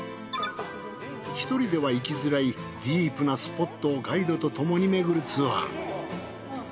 １人では行きづらいディープなスポットをガイドとともにめぐるツアー。